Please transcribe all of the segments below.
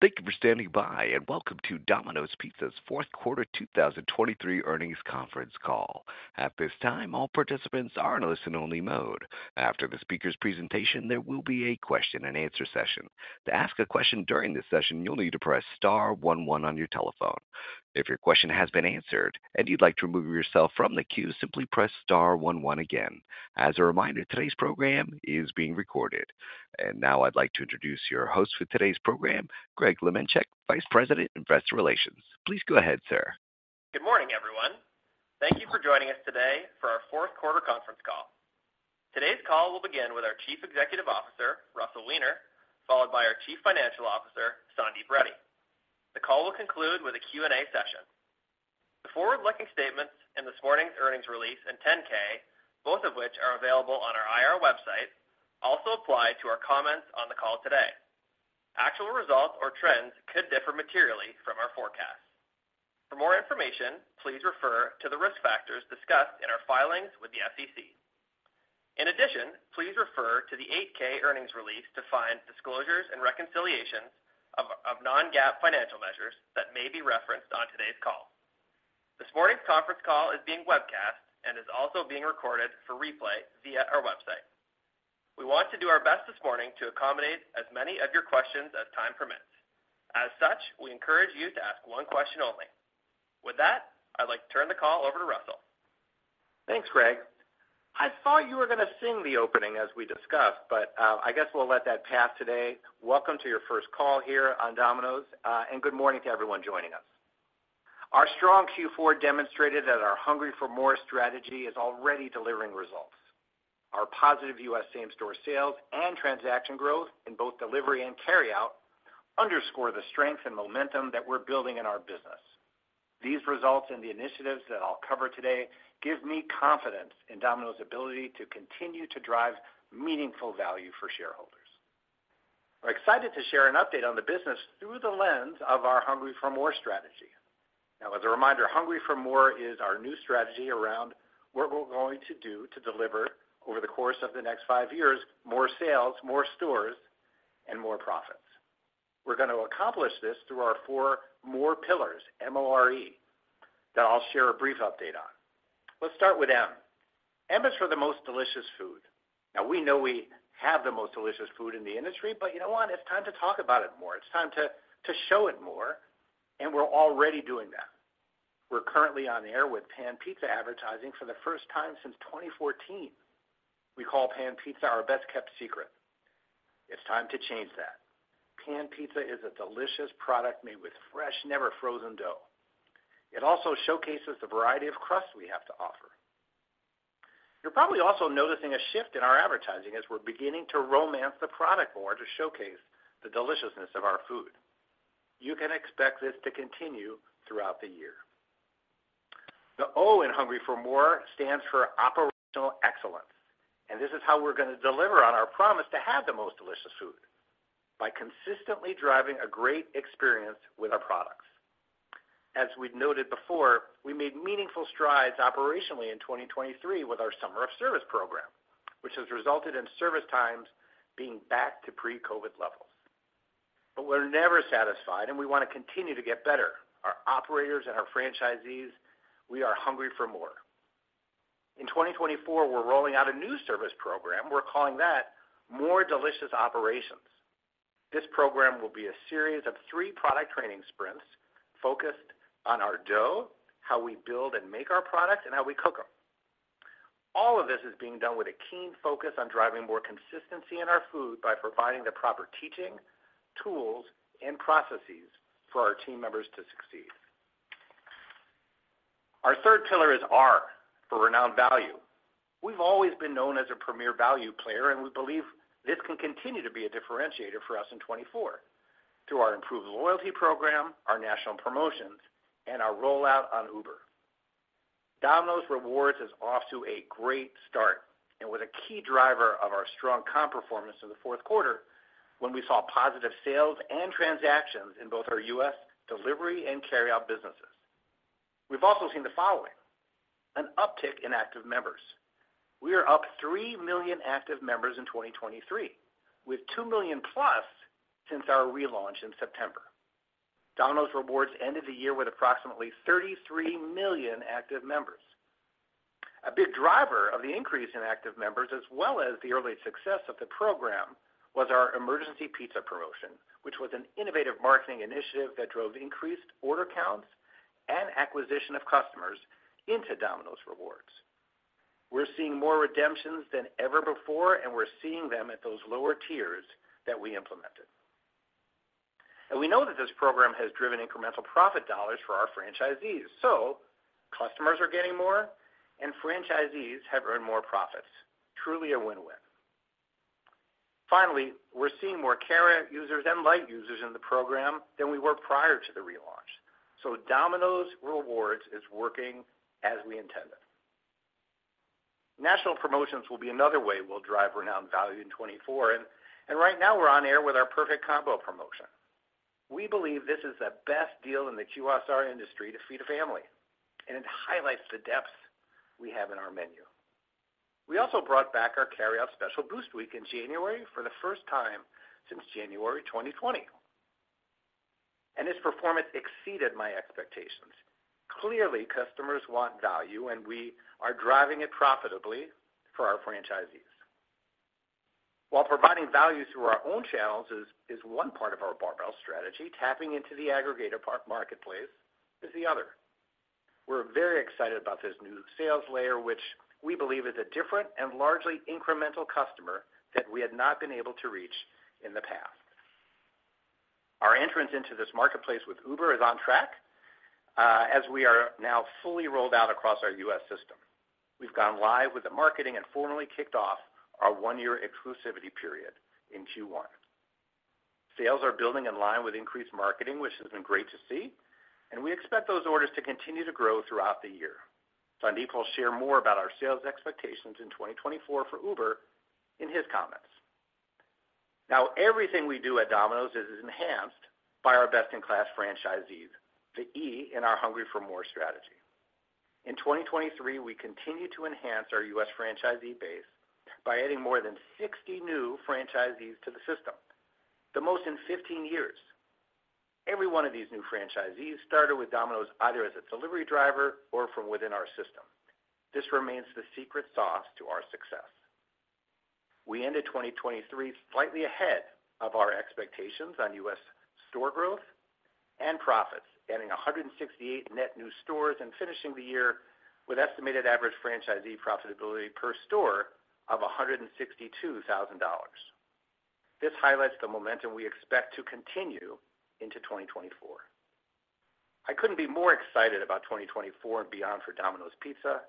Thank you for standing by, and welcome to Domino's Pizza's fourth quarter 2023 earnings conference call. At this time, all participants are in listen-only mode. After the speaker's presentation, there will be a question-and-answer session. To ask a question during this session, you'll need to press star one one on your telephone. If your question has been answered and you'd like to remove yourself from the queue, simply press star one one again. As a reminder, today's program is being recorded. Now I'd like to introduce your host for today's program, Greg Lemenchick, Vice President, Investor Relations. Please go ahead, sir. Good morning, everyone. Thank you for joining us today for our fourth quarter conference call. Today's call will begin with our Chief Executive Officer, Russell Weiner, followed by our Chief Financial Officer, Sandeep Reddy. The call will conclude with a Q&A session. The forward-looking statements in this morning's earnings release and 10-K, both of which are available on our IR website, also apply to our comments on the call today. Actual results or trends could differ materially from our forecasts. For more information, please refer to the risk factors discussed in our filings with the SEC. In addition, please refer to the 8-K earnings release to find disclosures and reconciliations of non-GAAP financial measures that may be referenced on today's call. This morning's conference call is being webcast and is also being recorded for replay via our website. We want to do our best this morning to accommodate as many of your questions as time permits. As such, we encourage you to ask one question only. With that, I'd like to turn the call over to Russell. Thanks, Greg. I thought you were gonna sing the opening as we discussed, but, I guess we'll let that pass today. Welcome to your first call here on Domino's, and good morning to everyone joining us. Our strong Q4 demonstrated that our Hungry for More strategy is already delivering results. Our positive U.S. same-store sales and transaction growth in both delivery and carryout underscore the strength and momentum that we're building in our business. These results and the initiatives that I'll cover today give me confidence in Domino's ability to continue to drive meaningful value for shareholders. We're excited to share an update on the business through the lens of our Hungry for More strategy. Now, as a reminder, Hungry for More is our new strategy around what we're going to do to deliver over the course of the next five years, more sales, more stores, and more profits. We're gonna accomplish this through our four more pillars, M-O-R-E, that I'll share a brief update on. Let's start with M. M is for the Most Delicious Food. Now, we know we have the Most Delicious Food in the industry, but you know what? It's time to talk about it more. It's time to show it more, and we're already doing that. We're currently on the air with Pan Pizza advertising for the first time since 2014. We call Pan Pizza our best-kept secret. It's time to change that. Pan Pizza is a delicious product made with fresh, never frozen dough. It also showcases the variety of crusts we have to offer. You're probably also noticing a shift in our advertising as we're beginning to romance the product more to showcase the deliciousness of our food. You can expect this to continue throughout the year. The O in Hungry for More stands for Operational Excellence, and this is how we're gonna deliver on our promise to have the Most Delicious Food, by consistently driving a great experience with our products. As we've noted before, we made meaningful strides operationally in 2023 with our Summer of Service program, which has resulted in service times being back to pre-COVID levels. But we're never satisfied, and we wanna continue to get better. Our operators and our franchisees, we are hungry for more. In 2024, we're rolling out a new service program. We're calling that More Delicious Operations. This program will be a series of 3 product training sprints focused on our dough, how we build and make our products, and how we cook them. All of this is being done with a keen focus on driving more consistency in our food by providing the proper teaching, tools, and processes for our team members to succeed. Our third pillar is R, for Renowned Value. We've always been known as a premier value player, and we believe this can continue to be a differentiator for us in 2024 through our improved loyalty program, our national promotions, and our rollout on Uber. Domino's Rewards is off to a great start and was a key driver of our strong comp performance in the fourth quarter when we saw positive sales and transactions in both our U.S. delivery and carryout businesses. We've also seen the following: an uptick in active members. We are up 3 million active members in 2023, with 2 million plus since our relaunch in September. Domino's Rewards ended the year with approximately 33 million active members. A big driver of the increase in active members, as well as the early success of the program, was our Emergency Pizza promotion, which was an innovative marketing initiative that drove increased order counts and acquisition of customers into Domino's Rewards. We're seeing more redemptions than ever before, and we're seeing them at those lower tiers that we implemented. And we know that this program has driven incremental profit dollars for our franchisees. So customers are getting more, and franchisees have earned more profits. Truly a win-win. Finally, we're seeing more carryout users and light users in the program than we were prior to the relaunch. So Domino's Rewards is working as we intended. National promotions will be another way we'll drive renowned value in 2024, and, and right now, we're on air with our Perfect Combo promotion. We believe this is the best deal in the QSR industry to feed a family, and it highlights the depth we have in our menu. We also brought back our Carryout Special Boost Week in January for the first time since January 2020. Its performance exceeded my expectations. Clearly, customers want value, and we are driving it profitably for our franchisees. While providing value through our own channels is, is one part of our barbell strategy, tapping into the aggregator partner marketplace is the other. We're very excited about this new sales layer, which we believe is a different and largely incremental customer that we had not been able to reach in the past. Our entrance into this marketplace with Uber is on track, as we are now fully rolled out across our U.S. system. We've gone live with the marketing and formally kicked off our one-year exclusivity period in Q1. Sales are building in line with increased marketing, which has been great to see, and we expect those orders to continue to grow throughout the year. Sandeep will share more about our sales expectations in 2024 for Uber in his comments. Now, everything we do at Domino's is enhanced by our best-in-class franchisees, the E in our Hungry for More strategy. In 2023, we continued to enhance our U.S. franchisee base by adding more than 60 new franchisees to the system, the most in 15 years. Every one of these new franchisees started with Domino's, either as a delivery driver or from within our system. This remains the secret sauce to our success. We ended 2023 slightly ahead of our expectations on U.S. store growth and profits, adding 168 net new stores and finishing the year with estimated average franchisee profitability per store of $162,000. This highlights the momentum we expect to continue into 2024. I couldn't be more excited about 2024 and beyond for Domino's Pizza.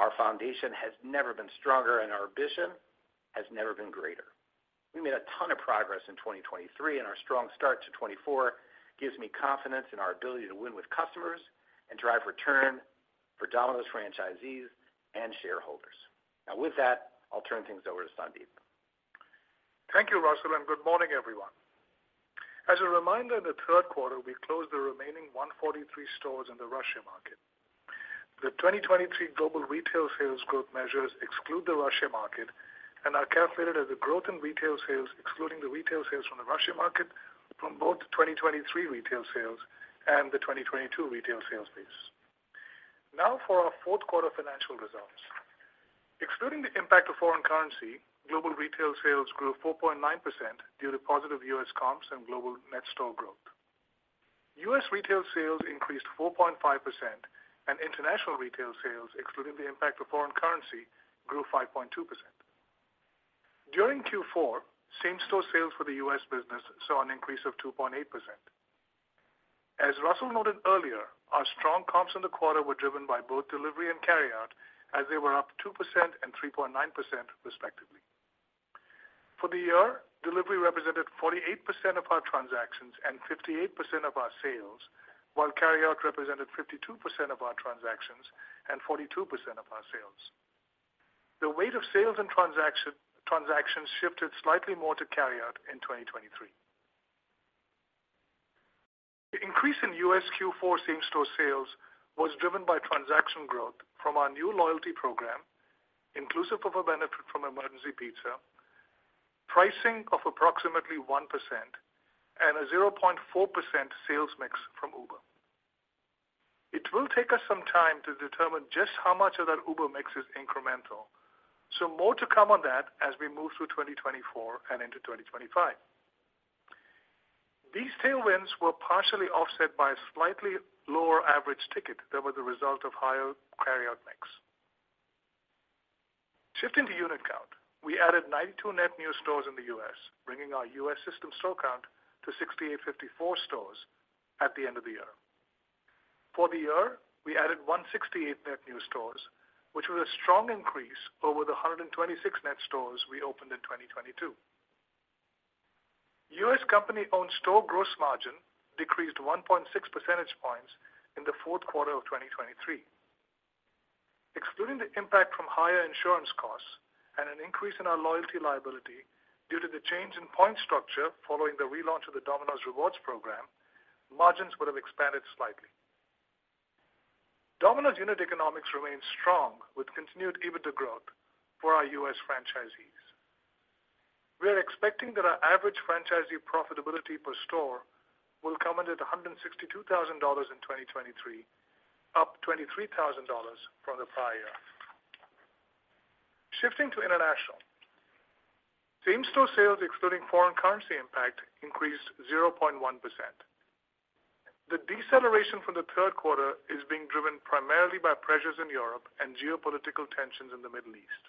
Our foundation has never been stronger, and our ambition has never been greater. We made a ton of progress in 2023, and our strong start to 2024 gives me confidence in our ability to win with customers and drive return for Domino's franchisees and shareholders. Now, with that, I'll turn things over to Sandeep. Thank you, Russell, and good morning, everyone. As a reminder, in the third quarter, we closed the remaining 143 stores in the Russia market. The 2023 global retail sales growth measures exclude the Russia market and are calculated as a growth in retail sales, excluding the retail sales from the Russia market from both the 2023 retail sales and the 2022 retail sales base. Now for our fourth quarter financial results. Excluding the impact of foreign currency, global retail sales grew 4.9% due to positive U.S. comps and global net store growth. U.S. retail sales increased 4.5%, and international retail sales, excluding the impact of foreign currency, grew 5.2%. During Q4, same-store sales for the U.S. business saw an increase of 2.8%. As Russell noted earlier, our strong comps in the quarter were driven by both delivery and carryout, as they were up 2% and 3.9%, respectively. For the year, delivery represented 48% of our transactions and 58% of our sales, while carryout represented 52% of our transactions and 42% of our sales. The weight of sales and transactions shifted slightly more to carryout in 2023. The increase in U.S. Q4 same-store sales was driven by transaction growth from our new loyalty program, inclusive of a benefit from Emergency Pizza, pricing of approximately 1%, and a 0.4% sales mix from Uber. It will take us some time to determine just how much of that Uber mix is incremental, so more to come on that as we move through 2024 and into 2025. These tailwinds were partially offset by a slightly lower average ticket that was a result of higher carryout mix. Shifting to unit count, we added 92 net new stores in the U.S., bringing our U.S. system store count to 6,854 stores at the end of the year. For the year, we added 168 net new stores, which was a strong increase over the 126 net stores we opened in 2022. U.S. company-owned store gross margin decreased 1.6 percentage points in the fourth quarter of 2023. Excluding the impact from higher insurance costs and an increase in our loyalty liability due to the change in point structure following the relaunch of the Domino's Rewards program, margins would have expanded slightly. Domino's unit economics remains strong, with continued EBITDA growth for our U.S. franchisees. We are expecting that our average franchisee profitability per store will come in at $162,000 in 2023, up $23,000 from the prior year. Shifting to international. Same-store sales, excluding foreign currency impact, increased 0.1%. The deceleration from the third quarter is being driven primarily by pressures in Europe and geopolitical tensions in the Middle East.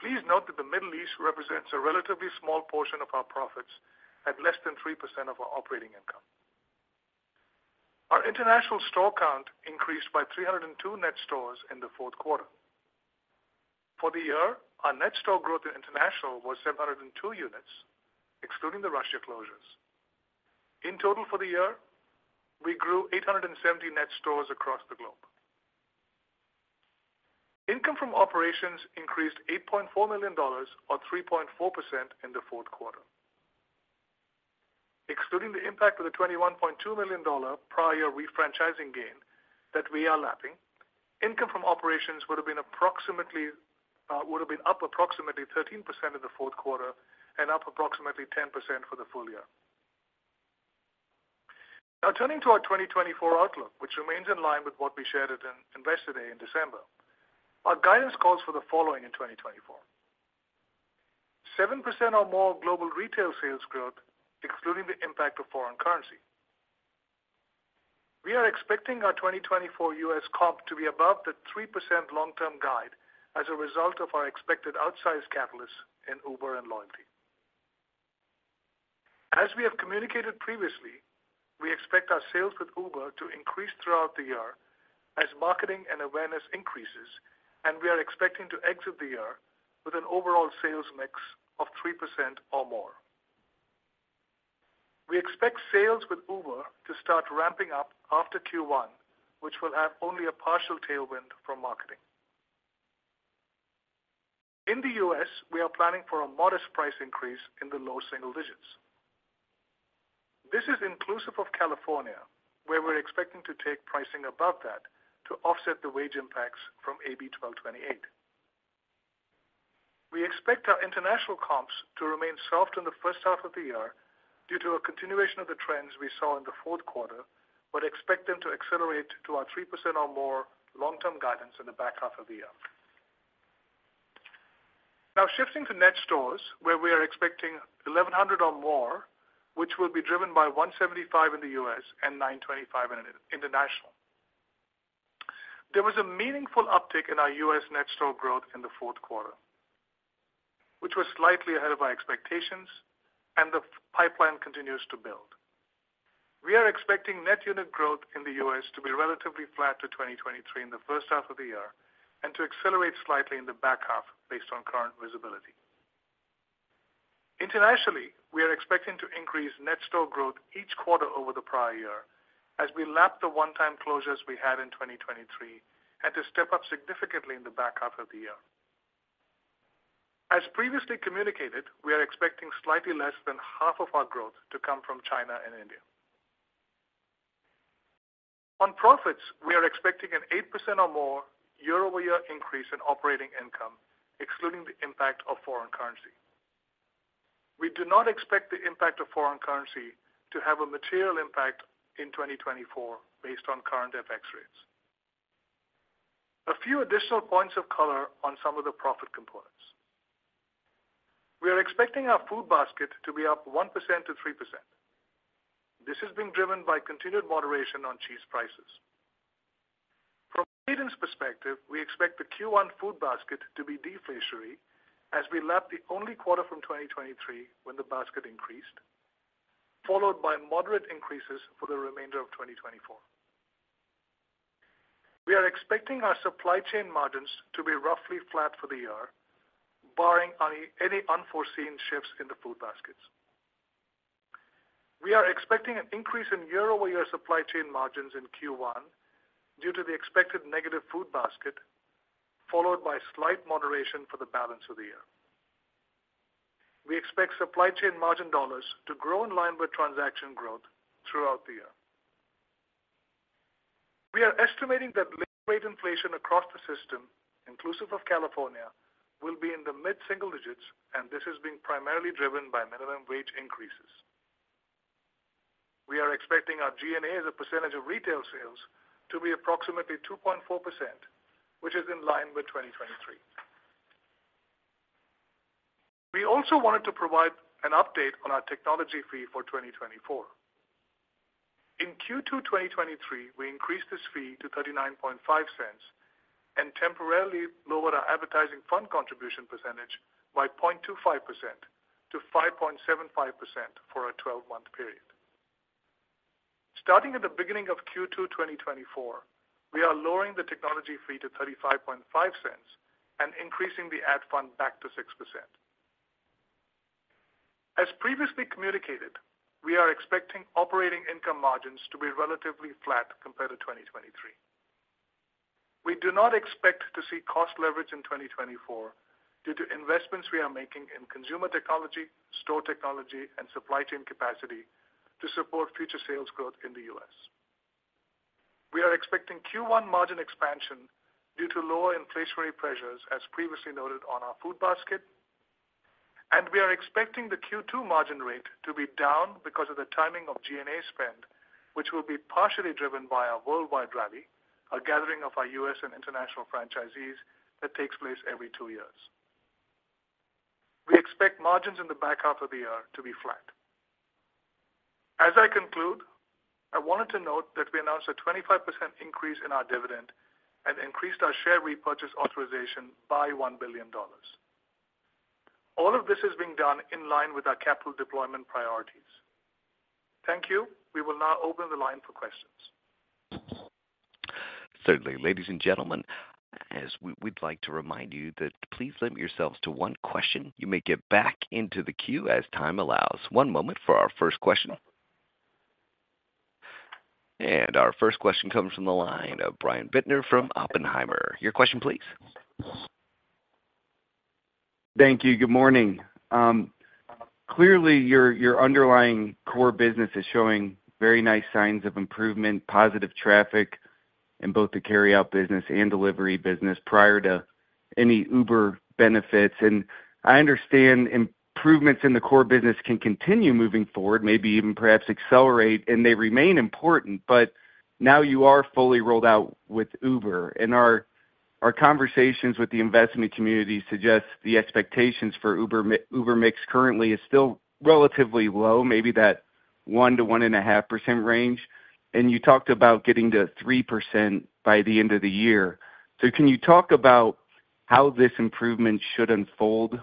Please note that the Middle East represents a relatively small portion of our profits, at less than 3% of our operating income. Our international store count increased by 302 net stores in the fourth quarter. For the year, our net store growth in international was 702 units, excluding the Russia closures. In total, for the year, we grew 870 net stores across the globe. Income from operations increased $8.4 million, or 3.4%, in the fourth quarter, including the impact of the $21.2 million prior refranchising gain that we are lapping, income from operations would have been approximately would have been up approximately 13% in the fourth quarter and up approximately 10% for the full year. Now turning to our 2024 outlook, which remains in line with what we shared at Investor Day in December. Our guidance calls for the following in 2024: 7% or more global retail sales growth, excluding the impact of foreign currency. We are expecting our 2024 U.S. comp to be above the 3% long-term guide as a result of our expected outsized catalysts in Uber and loyalty. As we have communicated previously, we expect our sales with Uber to increase throughout the year as marketing and awareness increases, and we are expecting to exit the year with an overall sales mix of 3% or more. We expect sales with Uber to start ramping up after Q1, which will have only a partial tailwind from marketing. In the U.S., we are planning for a modest price increase in the low single digits. This is inclusive of California, where we're expecting to take pricing above that to offset the wage impacts from AB 1228. We expect our international comps to remain soft in the first half of the year due to a continuation of the trends we saw in the fourth quarter, but expect them to accelerate to our 3% or more long-term guidance in the back half of the year. Now, shifting to net stores, where we are expecting 1,100 or more, which will be driven by 175 in the U.S. and 925 in international. There was a meaningful uptick in our U.S. net store growth in the fourth quarter, which was slightly ahead of our expectations, and the franchise pipeline continues to build. We are expecting net unit growth in the U.S. to be relatively flat to 2023 in the first half of the year and to accelerate slightly in the back half based on current visibility. Internationally, we are expecting to increase net store growth each quarter over the prior year as we lap the one-time closures we had in 2023 and to step up significantly in the back half of the year. As previously communicated, we are expecting slightly less than half of our growth to come from China and India. On profits, we are expecting an 8% or more year-over-year increase in operating income, excluding the impact of foreign currency. We do not expect the impact of foreign currency to have a material impact in 2024 based on current FX rates. A few additional points of color on some of the profit components. We are expecting our food basket to be up 1%-3%. This is being driven by continued moderation on cheese prices. From a guidance perspective, we expect the Q1 food basket to be deflationary as we lap the only quarter from 2023 when the basket increased, followed by moderate increases for the remainder of 2024. We are expecting our supply chain margins to be roughly flat for the year, barring any unforeseen shifts in the food baskets. We are expecting an increase in year-over-year supply chain margins in Q1 due to the expected negative food basket, followed by slight moderation for the balance of the year. We expect supply chain margin dollars to grow in line with transaction growth throughout the year. We are estimating that labor rate inflation across the system, inclusive of California, will be in the mid-single digits, and this is being primarily driven by minimum wage increases. We are expecting our G&A as a percentage of retail sales to be approximately 2.4%, which is in line with 2023. We also wanted to provide an update on our technology fee for 2024. In Q2 2023, we increased this fee to $0.395 and temporarily lowered our advertising fund contribution percentage by 0.25% to 5.75% for a twelve-month period. Starting at the beginning of Q2 2024, we are lowering the technology fee to $0.355 and increasing the ad fund back to 6%. As previously communicated, we are expecting operating income margins to be relatively flat compared to 2023. We do not expect to see cost leverage in 2024 due to investments we are making in consumer technology, store technology and supply chain capacity to support future sales growth in the U.S. We are expecting Q1 margin expansion due to lower inflationary pressures, as previously noted on our food basket, and we are expecting the Q2 margin rate to be down because of the timing of G&A spend, which will be partially driven by our Worldwide Rally, a gathering of our U.S. and international franchisees that takes place every two years. We expect margins in the back half of the year to be flat. As I conclude, I wanted to note that we announced a 25% increase in our dividend and increased our share repurchase authorization by $1 billion. All of this is being done in line with our capital deployment priorities. Thank you. We will now open the line for questions. Certainly. Ladies and gentlemen, as we'd like to remind you that please limit yourselves to one question. You may get back into the queue as time allows. One moment for our first question. Our first question comes from the line of Brian Bittner from Oppenheimer. Your question, please.... Thank you. Good morning. Clearly, your, your underlying core business is showing very nice signs of improvement, positive traffic in both the Carryout business and delivery business prior to any Uber benefits. And I understand improvements in the core business can continue moving forward, maybe even perhaps accelerate, and they remain important. But now you are fully rolled out with Uber, and our, our conversations with the investment community suggest the expectations for Uber mix currently is still relatively low, maybe that 1%-1.5% range. And you talked about getting to 3% by the end of the year. So can you talk about how this improvement should unfold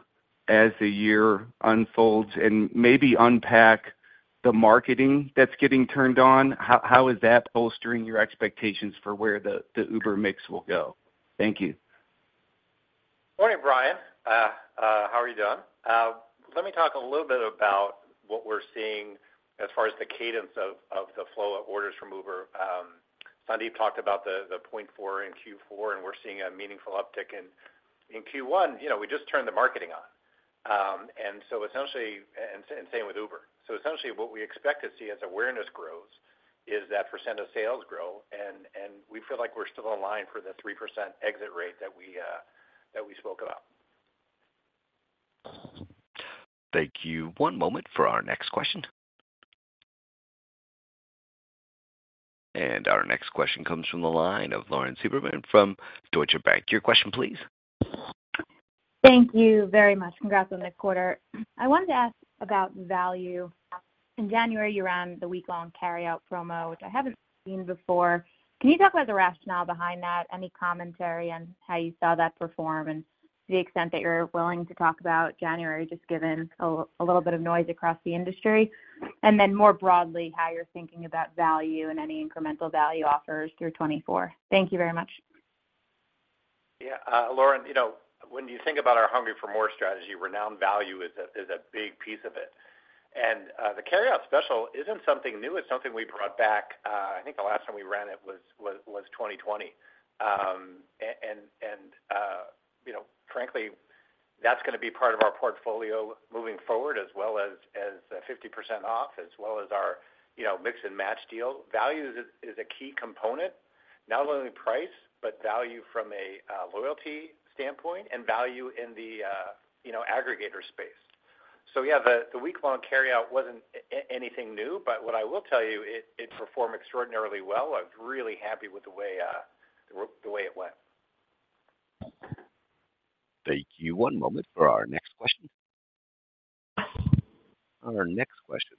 as the year unfolds, and maybe unpack the marketing that's getting turned on? How, how is that bolstering your expectations for where the, the Uber mix will go? Thank you. Morning, Brian. How are you doing? Let me talk a little bit about what we're seeing as far as the cadence of the flow of orders from Uber. Sandeep talked about the 0.4 in Q4, and we're seeing a meaningful uptick in Q1. You know, we just turned the marketing on. And so essentially, and same with Uber. So essentially, what we expect to see as awareness grows is that percent of sales grow, and we feel like we're still on line for the 3% exit rate that we spoke about. Thank you. One moment for our next question. Our next question comes from the line of Lauren Silberman from Deutsche Bank. Your question, please. Thank you very much. Congrats on this quarter. I wanted to ask about value. In January, you ran the week-long carryout promo, which I haven't seen before. Can you talk about the rationale behind that, any commentary on how you saw that perform, and to the extent that you're willing to talk about January, just given a little bit of noise across the industry? And then more broadly, how you're thinking about value and any incremental value offers through 2024. Thank you very much Yeah, Lauren, you know, when you think about our Hungry for More strategy, and value is a big piece of it. And the carryout special isn't something new, it's something we brought back. I think the last time we ran it was 2020. You know, frankly, that's gonna be part of our portfolio moving forward, as well as 50% off, as well as our, you know, Mix & Match Deal. Value is a key component, not only price, but value from a loyalty standpoint and value in the, you know, aggregator space. So yeah, the week-long carryout wasn't anything new, but what I will tell you, it performed extraordinarily well. I'm really happy with the way it went. Thank you. One moment for our next question. Our next question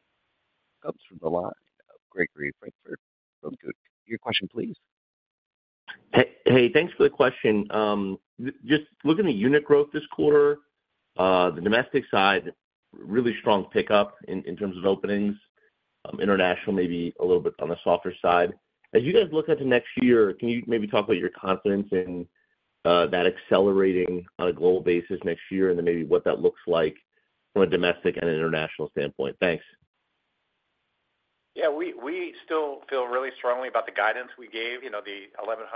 comes from the line of Gregory Francfort from Guggenheim. Your question please. Hey, hey, thanks for the question. Just looking at unit growth this quarter, the domestic side, really strong pickup in, in terms of openings, international, maybe a little bit on the softer side. As you guys look out to next year, can you maybe talk about your confidence in, that accelerating on a global basis next year? And then maybe what that looks like from a domestic and international standpoint? Thanks. Yeah, we still feel really strongly about the guidance we gave, you know, the 1,100+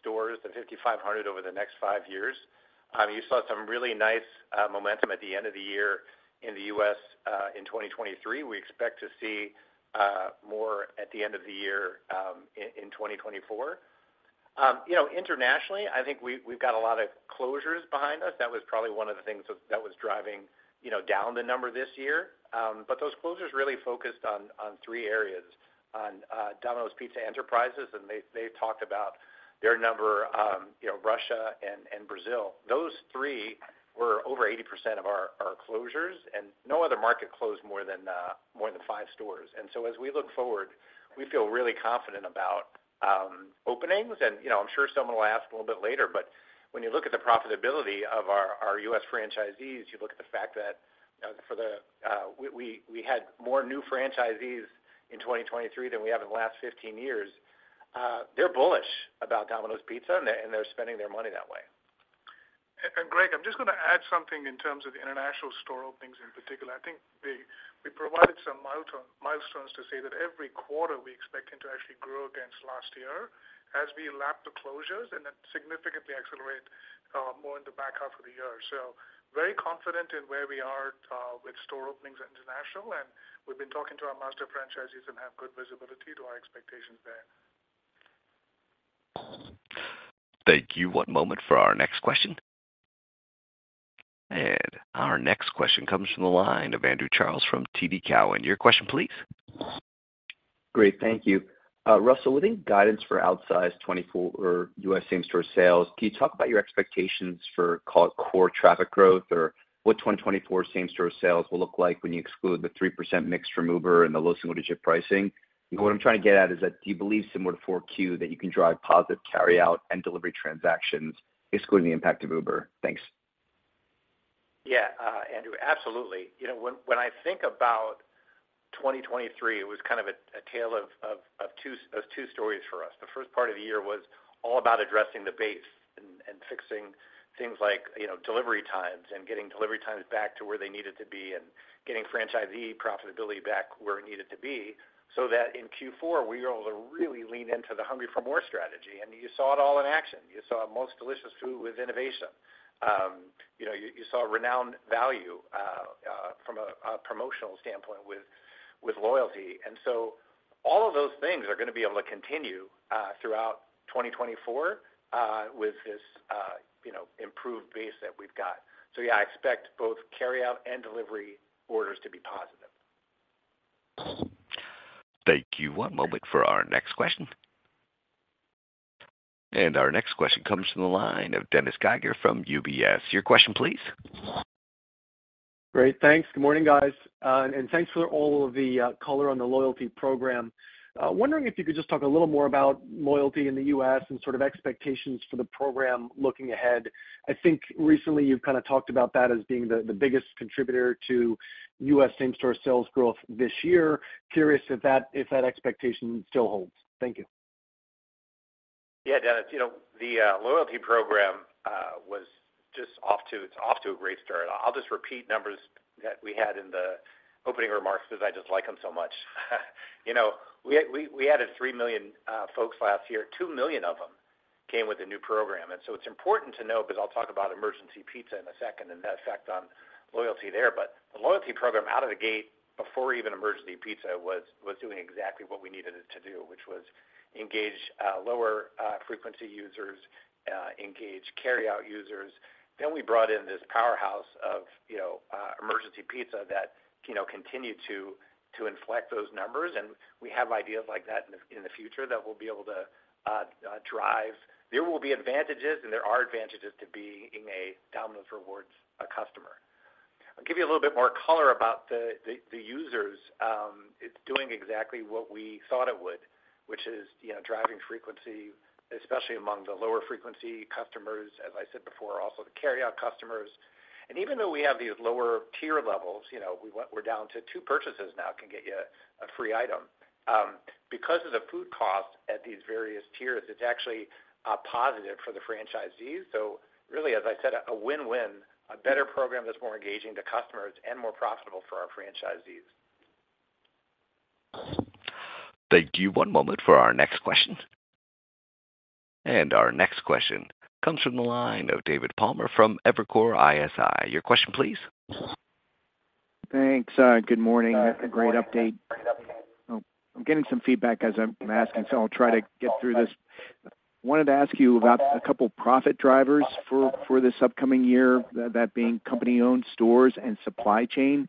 stores and 5,500 over the next five years. You saw some really nice momentum at the end of the year in the US in 2023. We expect to see more at the end of the year in 2024. You know, internationally, I think we, we've got a lot of closures behind us. That was probably one of the things that was driving, you know, down the number this year. But those closures really focused on three areas: on Domino's Pizza Enterprises, and they talked about their number, you know, Russia and Brazil. Those three were over 80% of our closures, and no other market closed more than five stores. And so as we look forward, we feel really confident about openings. And, you know, I'm sure someone will ask a little bit later, but when you look at the profitability of our, our US franchisees, you look at the fact that, for the... We, we, we had more new franchisees in 2023 than we have in the last 15 years. They're bullish about Domino's Pizza, and they, and they're spending their money that way. And Greg, I'm just gonna add something in terms of the international store openings in particular. I think we provided some milestones to say that every quarter, we expecting to actually grow against last year as we lap the closures and then significantly accelerate more in the back half of the year. So very confident in where we are with store openings international, and we've been talking to our master franchisees and have good visibility to our expectations there. Thank you. One moment for our next question. Our next question comes from the line of Andrew Charles from TD Cowen. Your question, please. Great, thank you. Russell, within guidance for outsized 2024 or U.S. same-store sales, can you talk about your expectations for call it core traffic growth, or what 2024 same-store sales will look like when you exclude the 3% mix from Uber and the low single-digit pricing? What I'm trying to get at is that, do you believe, similar to 4Q, that you can drive positive carryout and delivery transactions, excluding the impact of Uber? Thanks. Yeah, Andrew, absolutely. You know, when I think about 2023, it was kind of a tale of two stories for us. The first part of the year was all about addressing the base... and fixing things like, you know, delivery times and getting delivery times back to where they needed to be, and getting franchisee profitability back where it needed to be, so that in Q4, we were able to really lean into the Hungry for More strategy. And you saw it all in action. You saw Most Delicious Food with innovation. You know, you saw renowned value from a promotional standpoint with loyalty. And so all of those things are gonna be able to continue throughout 2024 with this, you know, improved base that we've got. So yeah, I expect both carryout and delivery orders to be positive. Thank you. One moment for our next question. Our next question comes from the line of Dennis Geiger from UBS. Your question, please. Great, thanks. Good morning, guys, and thanks for all of the color on the loyalty program. Wondering if you could just talk a little more about loyalty in the U.S. and sort of expectations for the program looking ahead. I think recently you've kind of talked about that as being the, the biggest contributor to U.S. same-store sales growth this year. Curious if that, if that expectation still holds. Thank you. Yeah, Dennis, you know, the loyalty program is off to a great start. I'll just repeat numbers that we had in the opening remarks because I just like them so much. You know, we added 3 million folks last year, 2 million of them came with a new program. And so it's important to note, because I'll talk about Emergency Pizza in a second, and the effect on loyalty there. But the loyalty program out of the gate before even Emergency Pizza was doing exactly what we needed it to do, which was engage lower frequency users, engage Carryout users. Then we brought in this powerhouse of, you know, Emergency Pizza that, you know, continued to inflect those numbers, and we have ideas like that in the future that will be able to drive. There will be advantages, and there are advantages to being a Domino's Rewards customer. I'll give you a little bit more color about the users. It's doing exactly what we thought it would, which is, you know, driving frequency, especially among the lower frequency customers, as I said before, also the carryout customers. Even though we have these lower tier levels, you know, we went-- we're down to two purchases now can get you a free item. Because of the food costs at these various tiers, it's actually a positive for the franchisees. Really, as I said, a win-win, a better program that's more engaging to customers and more profitable for our franchisees. Thank you. One moment for our next question. Our next question comes from the line of David Palmer from Evercore ISI. Your question, please. Thanks. Good morning. A great update. Oh, I'm getting some feedback as I'm asking, so I'll try to get through this. Wanted to ask you about a couple profit drivers for this upcoming year, that being company-owned stores and supply chain.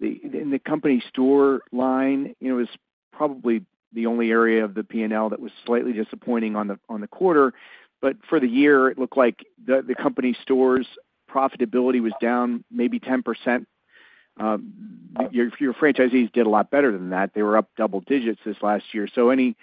In the company store line, you know, is probably the only area of the P&L that was slightly disappointing on the quarter. But for the year, it looked like the company stores' profitability was down maybe 10%. Your franchisees did a lot better than that. They were up double digits this last year. So any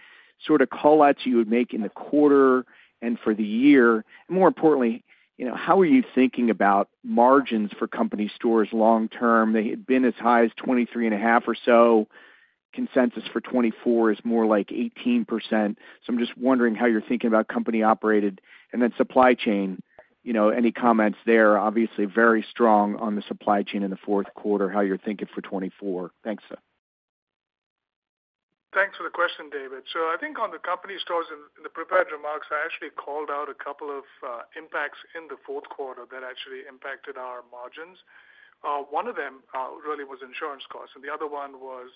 sort of call-outs you would make in the quarter and for the year? More importantly, you know, how are you thinking about margins for company stores long term? They had been as high as 23.5% or so. Consensus for 2024 is more like 18%. So I'm just wondering how you're thinking about company operated and then supply chain. You know, any comments there? Obviously very strong on the supply chain in the fourth quarter, how you're thinking for 2024? Thanks, sir. Thanks for the question, David. So I think on the company stores, in the prepared remarks, I actually called out a couple of impacts in the fourth quarter that actually impacted our margins. One of them really was insurance costs, and the other one was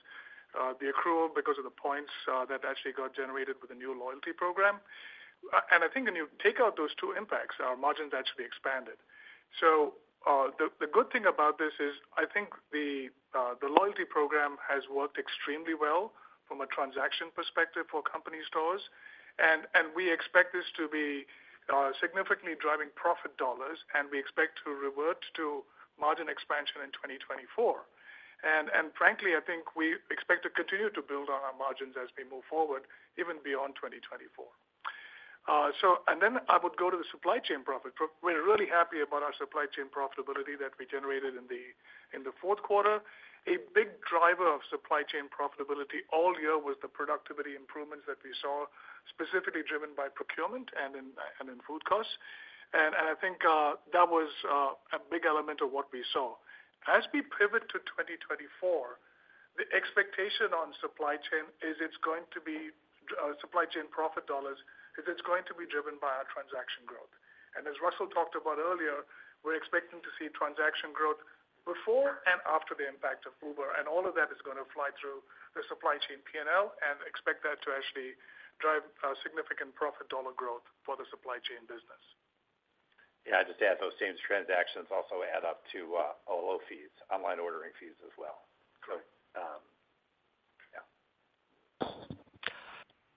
the accrual because of the points that actually got generated with the new loyalty program. And I think when you take out those two impacts, our margins actually expanded. So, the good thing about this is, I think the loyalty program has worked extremely well from a transaction perspective for company stores, and we expect this to be significantly driving profit dollars, and we expect to revert to margin expansion in 2024. Frankly, I think we expect to continue to build on our margins as we move forward, even beyond 2024. So and then I would go to the supply chain profit. We're really happy about our supply chain profitability that we generated in the fourth quarter. A big driver of supply chain profitability all year was the productivity improvements that we saw, specifically driven by procurement and food costs. And I think that was a big element of what we saw. As we pivot to 2024, the expectation on supply chain is it's going to be supply chain profit dollars; it's going to be driven by our transaction growth. And as Russell talked about earlier, we're expecting to see transaction growth before and after the impact of Uber, and all of that is gonna fly through the supply chain P&L, and expect that to actually drive a significant profit dollar growth for the supply chain business. Yeah, I'd just add those same transactions also add up to OLO fees, online ordering fees as well. Correct. Um, yeah.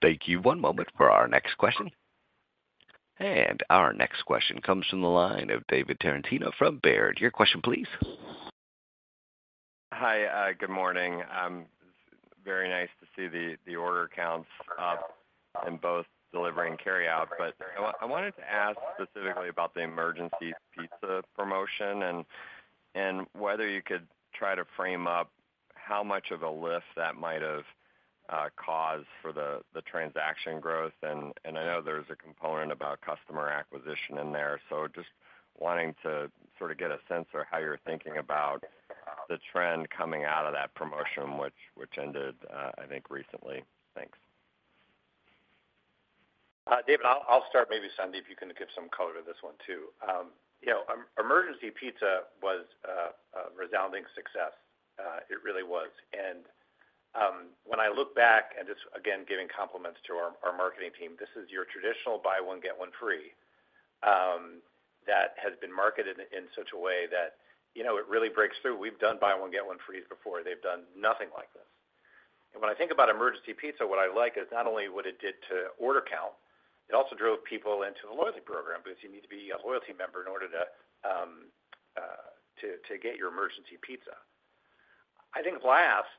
Thank you. One moment for our next question. And our next question comes from the line of David Tarantino from Baird. Your question, please. Hi, good morning. Very nice to see the order counts up in both delivery and carryout. But I wanted to ask specifically about the Emergency Pizza promotion and whether you could try to frame up how much of a lift that might have caused for the transaction growth? And I know there's a component about customer acquisition in there, so just wanting to sort of get a sense for how you're thinking about the trend coming out of that promotion, which ended, I think recently. Thanks. David, I'll start, maybe Sandeep, you can give some color to this one, too. You know, Emergency Pizza was a resounding success. It really was. When I look back and just again, giving compliments to our marketing team, this is your traditional buy one, get one free that has been marketed in such a way that, you know, it really breaks through. We've done buy one, get one frees before. They've done nothing like this. When I think about Emergency Pizza, what I like is not only what it did to order count, it also drove people into the loyalty program, because you need to be a loyalty member in order to get your Emergency Pizza. I think last,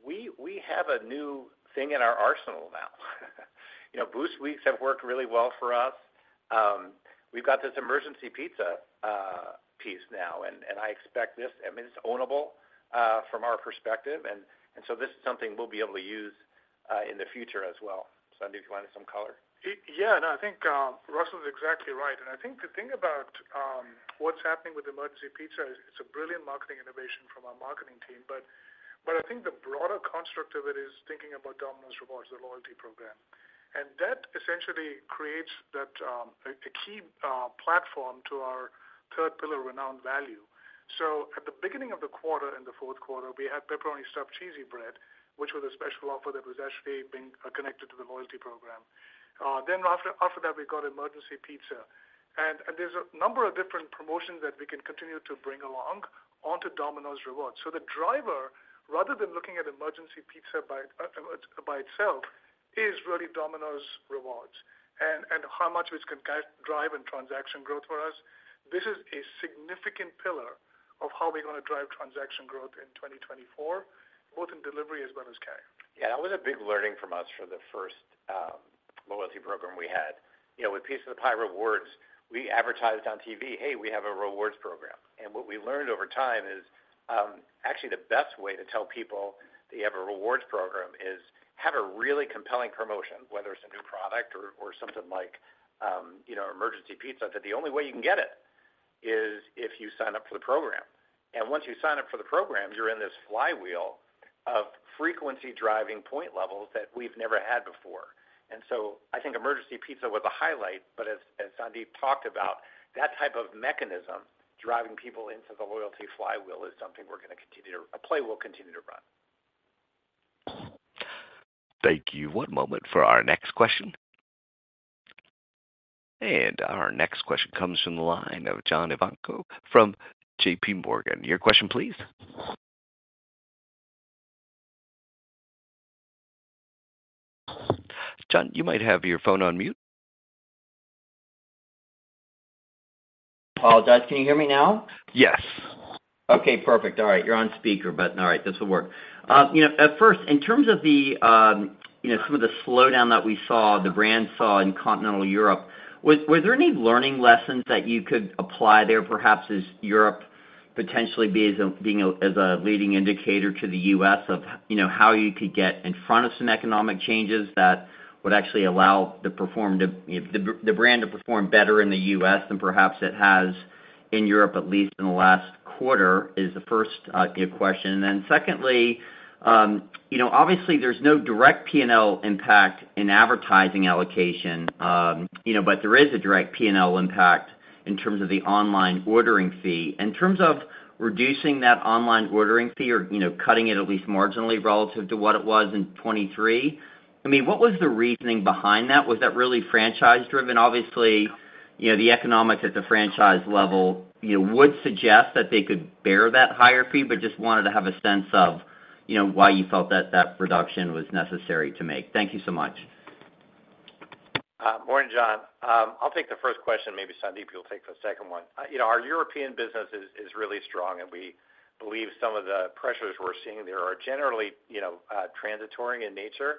we have a new thing in our arsenal now. You know, Boost Weeks have worked really well for us. We've got this Emergency Pizza piece now, and, and I expect this, I mean, it's ownable from our perspective, and, and so this is something we'll be able to use in the future as well. Sandeep, do you want to add some color? Yeah, no, I think Russell is exactly right. And I think the thing about what's happening with Emergency Pizza is it's a brilliant marketing innovation from our marketing team. But I think the broader construct of it is thinking about Domino's Rewards, the loyalty program. And that essentially creates a key platform to our third pillar, renowned value. So at the beginning of the quarter, in the fourth quarter, we had Pepperoni Stuffed Cheesy Bread, which was a special offer that was actually being connected to the loyalty program. Then after that, we got Emergency Pizza. And there's a number of different promotions that we can continue to bring along onto Domino's Rewards. So the driver, rather than looking at Emergency Pizza by itself, is really Domino's Rewards and how much it can drive transaction growth for us. This is a significant pillar of how we're gonna drive transaction growth in 2024, both in delivery as well as carryout. Yeah, that was a big learning from us for the first loyalty program we had. You know, with Piece of the Pie Rewards, we advertised on TV, "Hey, we have a rewards program." And what we learned over time is, actually, the best way to tell people that you have a rewards program is have a really compelling promotion, whether it's a new product or something like, you know, Emergency Pizza, that the only way you can get it is if you sign up for the program. And once you sign up for the program, you're in this flywheel of frequency driving point levels that we've never had before. And so I think Emergency Pizza was a highlight, but as Sandeep talked about, that type of mechanism, driving people into the loyalty flywheel, is something we're gonna continue to, a play we'll continue to run. Thank you. One moment for our next question. Our next question comes from the line of John Ivankoe from JP Morgan. Your question, please. John, you might have your phone on mute. Apologize. Can you hear me now? Yes. Okay, perfect. All right, you're on speaker, but all right, this will work. You know, at first, in terms of the slowdown that we saw, the brand saw in continental Europe, was there any learning lessons that you could apply there, perhaps as Europe potentially being as a leading indicator to the U.S. of how you could get in front of some economic changes that would actually allow the brand to perform better in the U.S. than perhaps it has in Europe, at least in the last quarter, is the first question. And then secondly, you know, obviously there's no direct P&L impact in advertising allocation, but there is a direct P&L impact in terms of the online ordering fee. In terms of reducing that online ordering fee or, you know, cutting it at least marginally relative to what it was in 2023, I mean, what was the reasoning behind that? Was that really franchise driven? Obviously, you know, the economics at the franchise level, you would suggest that they could bear that higher fee, but just wanted to have a sense of, you know, why you felt that that reduction was necessary to make. Thank you so much. Morning, John. I'll take the first question, maybe Sandeep, you'll take the second one. You know, our European business is really strong, and we believe some of the pressures we're seeing there are generally, you know, transitory in nature.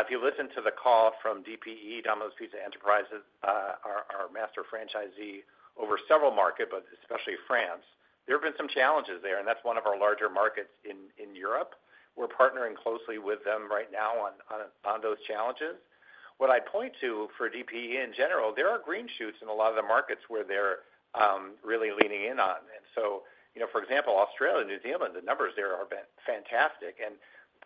If you listen to the call from DPE, Domino's Pizza Enterprises, our master franchisee over several markets, but especially France, there have been some challenges there, and that's one of our larger markets in Europe. We're partnering closely with them right now on those challenges. What I'd point to for DPE in general, there are green shoots in a lot of the markets where they're really leaning in on. And so, you know, for example, Australia and New Zealand, the numbers there have been fantastic.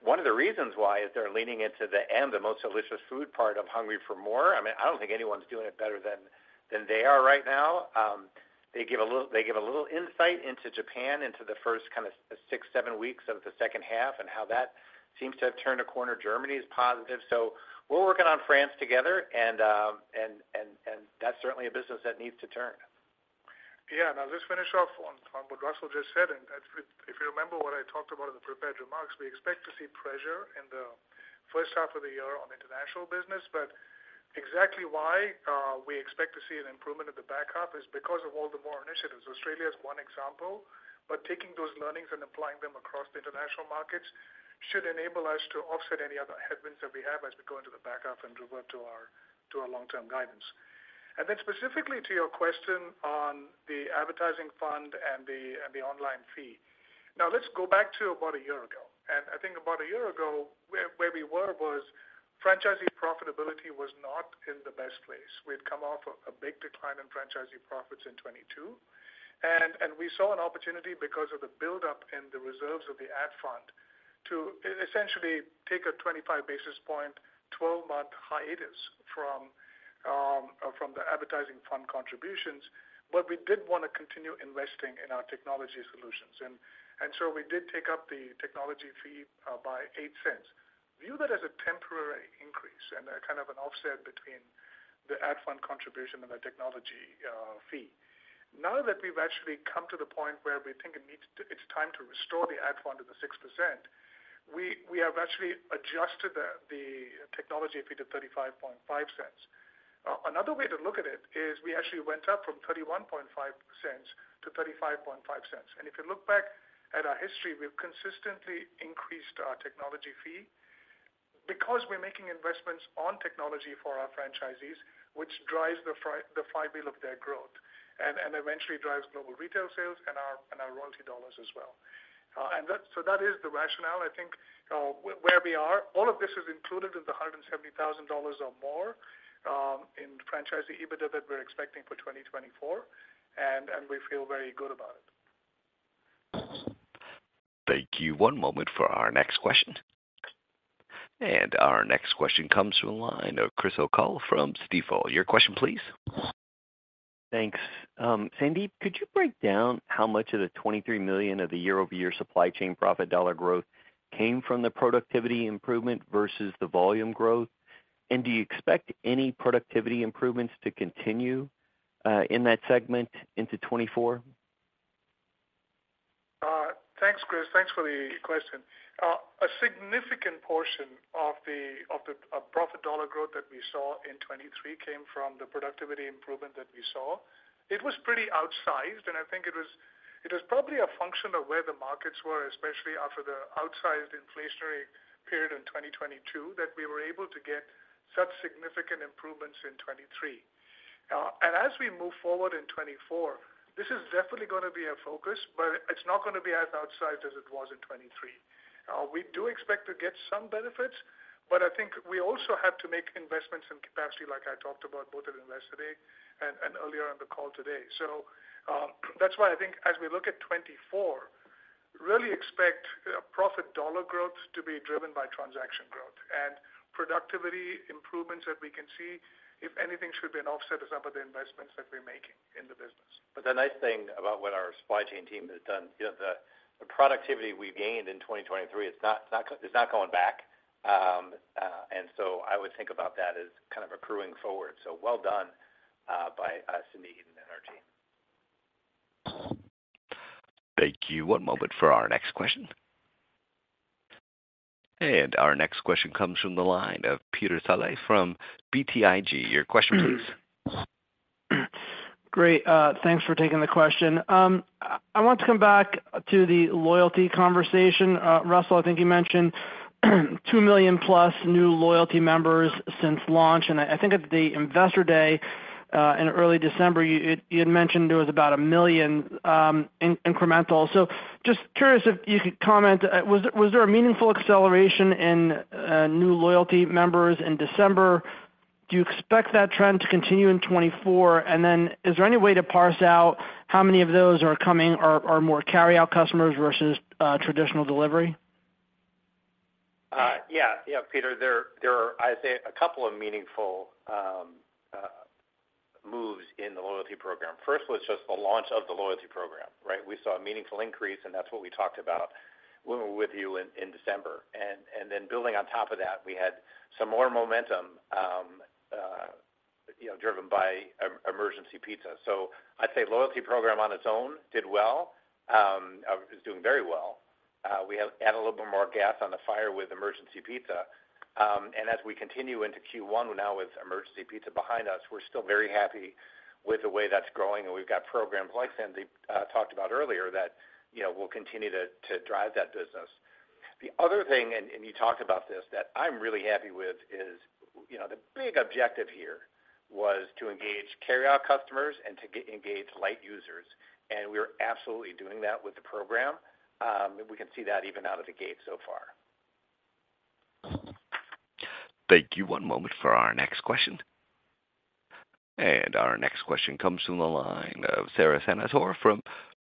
One of the reasons why is they're leaning into the end, the most delicious food part of Hungry for More. I mean, I don't think anyone's doing it better than they are right now. They give a little insight into Japan, into the first kind of six, seven weeks of the second half, and how that seems to have turned a corner. Germany is positive, so we're working on France together, and that's certainly a business that needs to turn. Yeah, and I'll just finish off on what Russell just said, and if you remember what I talked about in the prepared remarks, we expect to see pressure in the first half of the year on international business. But exactly why we expect to see an improvement at the back half is because of all the more initiatives. Australia is one example, but taking those learnings and applying them across the international markets should enable us to offset any other headwinds that we have as we go into the back half and revert to our long-term guidance. And then specifically to your question on the advertising fund and the online fee. Now, let's go back to about a year ago. And I think about a year ago, where we were was franchisee profitability was not in the best place. We had come off of a big decline in franchisee profits in 2022, and we saw an opportunity because of the buildup in the reserves of the ad fund to essentially take a 25 basis point, twelve-month hiatus from the advertising fund contributions, but we did want to continue investing in our technology solutions. And so we did take up the technology fee by $0.08. View that as a temporary increase and a kind of an offset between the ad fund contribution and the technology fee. Now that we've actually come to the point where we think it needs to it's time to restore the ad fund to the 6%, we have actually adjusted the technology fee to $0.355. Another way to look at it is we actually went up from $0.315 to $0.355. And if you look back at our history, we've consistently increased our technology fee because we're making investments on technology for our franchisees, which drives the flywheel of their growth, and eventually drives global retail sales and our royalty dollars as well. And that is the rationale. I think, where we are, all of this is included in the $170,000 or more in franchisee EBITDA that we're expecting for 2024, and we feel very good about it. Thank you. One moment for our next question. Our next question comes from the line of Chris O'Cull from Stifel. Your question, please. Thanks. Sandeep, could you break down how much of the $23 million of the year-over-year supply chain profit dollar growth came from the productivity improvement versus the volume growth? And do you expect any productivity improvements to continue in that segment into 2024? Thanks, Chris. Thanks for the question. A significant portion of the profit dollar growth that we saw in 2023 came from the productivity improvement that we saw. It was pretty outsized, and I think it was probably a function of where the markets were, especially after the outsized inflationary period in 2022, that we were able to get such significant improvements in 2023. And as we move forward in 2024, this is definitely gonna be a focus, but it's not gonna be as outsized as it was in 2023. We do expect to get some benefits, but I think we also have to make investments in capacity, like I talked about both at Investor Day and earlier on the call today. That's why I think as we look at 2024, really expect profit dollar growth to be driven by transaction growth. Productivity improvements that we can see, if anything, should be an offset of some of the investments that we're making in the business. But the nice thing about what our supply chain team has done, you know, the productivity we've gained in 2023, it's not going back. And so I would think about that as kind of accruing forward. So well done by Sandeep and our team. Thank you. One moment for our next question. Our next question comes from the line of Peter Saleh from BTIG. Your question, please. Great. Thanks for taking the question. I want to come back to the loyalty conversation. Russell, I think you mentioned 2 million+ new loyalty members since launch, and I think at the Investor Day in early December, you had mentioned there was about 1 million incremental. So just curious if you could comment, was there a meaningful acceleration in new loyalty members in December? Do you expect that trend to continue in 2024? And then is there any way to parse out how many of those are coming... are more carry-out customers versus traditional delivery? Yeah, Peter, there are, I'd say, a couple of meaningful moves in the loyalty program. First was just the launch of the loyalty program, right? We saw a meaningful increase, and that's what we talked about when we were with you in December. And then building on top of that, we had some more momentum, you know, driven by Emergency Pizza. So I'd say loyalty program on its own did well, is doing very well. We have added a little bit more gas on the fire with Emergency Pizza. And as we continue into Q1, now with Emergency Pizza behind us, we're still very happy with the way that's growing, and we've got programs like Sandeep talked about earlier, that you know will continue to drive that business. The other thing, and you talked about this, that I'm really happy with is, you know, the big objective here was to engage carryout customers and to engage light users, and we are absolutely doing that with the program. And we can see that even out of the gate so far. Thank you. One moment for our next question. Our next question comes from the line of Sara Senatore from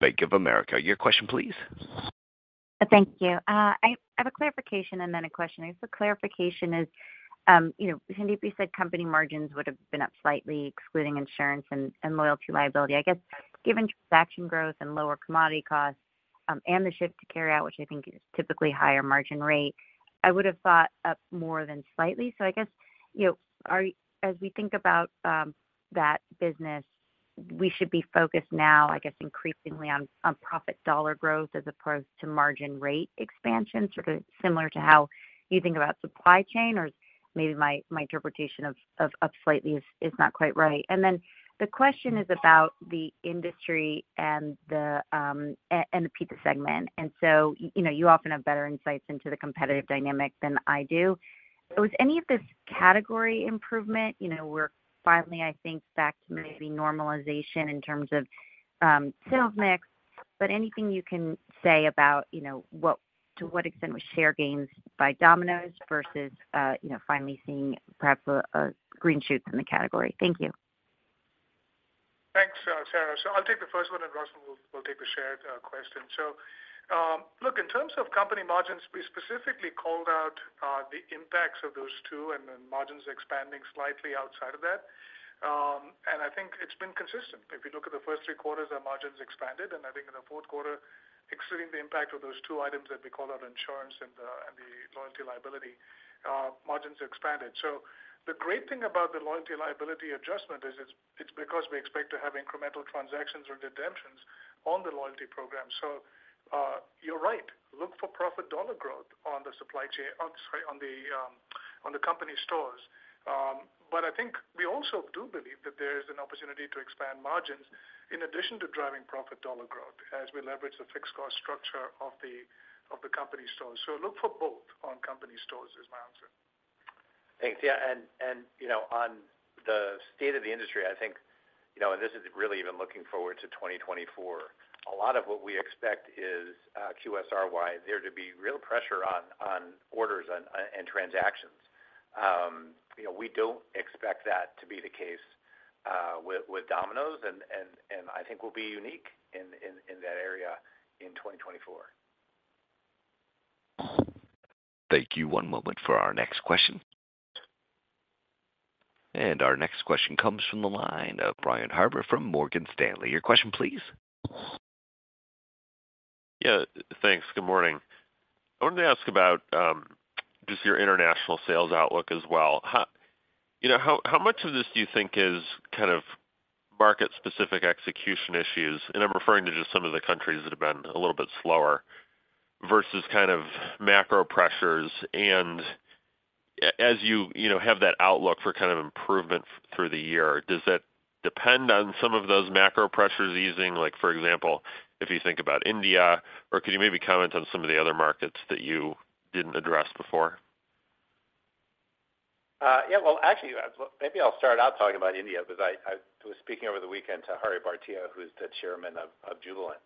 Bank of America. Your question, please. Thank you. I have a clarification and then a question. I guess the clarification is, you know, Sandeep, you said company margins would have been up slightly, excluding insurance and loyalty liability. I guess, given transaction growth and lower commodity costs, and the shift to carryout, which I think is typically higher margin rate, I would have thought up more than slightly. So I guess, you know, as we think about that business, we should be focused now, I guess, increasingly on profit dollar growth as opposed to margin rate expansion, sort of similar to how you think about supply chain? Or maybe my interpretation of up slightly is not quite right. And then- ... The question is about the industry and the pizza segment. And so, you know, you often have better insights into the competitive dynamic than I do. Was any of this category improvement? You know, we're finally, I think, back to maybe normalization in terms of sales mix, but anything you can say about, you know, what to what extent was share gains by Domino's versus, you know, finally seeing perhaps a green shoots in the category? Thank you. Thanks, Sarah. So I'll take the first one, and Russell will take the shared question. So, look, in terms of company margins, we specifically called out the impacts of those two and then margins expanding slightly outside of that. And I think it's been consistent. If you look at the first three quarters, our margins expanded, and I think in the fourth quarter, excluding the impact of those two items that we called out, insurance and the loyalty liability, margins expanded. So the great thing about the loyalty liability adjustment is it's because we expect to have incremental transactions or redemptions on the loyalty program. So, you're right. Look for profit dollar growth on the supply chain, sorry, on the company stores. But I think we also do believe that there is an opportunity to expand margins in addition to driving profit dollar growth as we leverage the fixed cost structure of the company stores. So look for both on company stores is my answer. Thanks. Yeah, and you know, on the state of the industry, I think you know, and this is really even looking forward to 2024, a lot of what we expect is QSR, there to be real pressure on orders and transactions. You know, we don't expect that to be the case with Domino's, and I think we'll be unique in that area in 2024. Thank you. One moment for our next question. Our next question comes from the line of Brian Harbour from Morgan Stanley. Your question, please. Yeah, thanks. Good morning. I wanted to ask about just your international sales outlook as well. How, you know, how much of this do you think is kind of market-specific execution issues? And I'm referring to just some of the countries that have been a little bit slower versus kind of macro pressures. And as you, you know, have that outlook for kind of improvement through the year, does that depend on some of those macro pressures easing? Like, for example, if you think about India, or could you maybe comment on some of the other markets that you didn't address before? Yeah, well, actually, maybe I'll start out talking about India, because I was speaking over the weekend to Hari Bhartia, who's the chairman of Jubilant.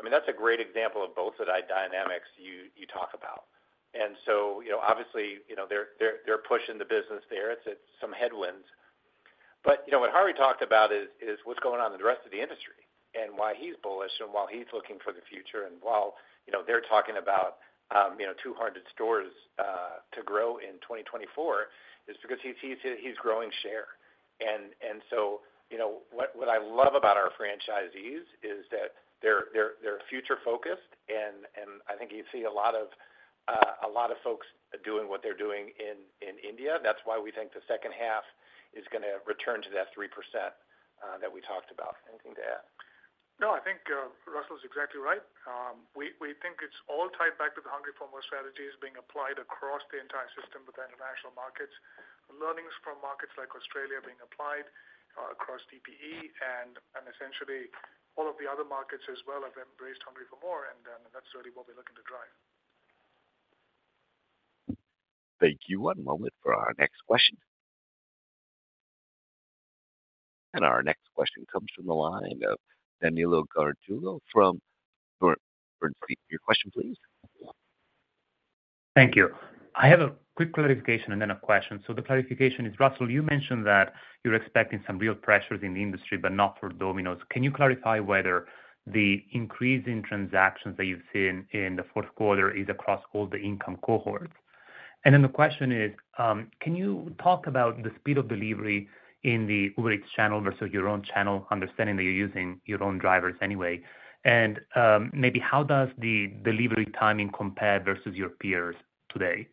I mean, that's a great example of both the dynamics you talk about. And so, you know, obviously, you know, they're pushing the business there. It's some headwinds. But, you know, what Hari talked about is what's going on in the rest of the industry and why he's bullish and why he's looking for the future. And while, you know, they're talking about, you know, 200 stores to grow in 2024, is because he's growing share. And so, you know, what I love about our franchisees is that they're future-focused, and I think you see a lot of folks doing what they're doing in India. That's why we think the second half is gonna return to that 3% that we talked about. Anything to add? No, I think, Russell is exactly right. We think it's all tied back to the Hungry for More strategy is being applied across the entire system with the international markets. Learnings from markets like Australia being applied, across DPE, and essentially all of the other markets as well have embraced Hungry for More, and, that's really what we're looking to drive. Thank you. One moment for our next question. Our next question comes from the line of Danilo Gargiulo from Bernstein. Your question, please. Thank you. I have a quick clarification and then a question. The clarification is, Russell, you mentioned that you're expecting some real pressures in the industry, but not for Domino's. Can you clarify whether the increase in transactions that you've seen in the fourth quarter is across all the income cohorts? And then the question is, can you talk about the speed of delivery in the Uber Eats channel versus your own channel, understanding that you're using your own drivers anyway? And, maybe how does the delivery timing compare versus your peers today?